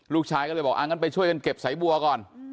ลูกชายก็เลยบอกอ่างั้นไปช่วยกันเก็บสายบัวก่อน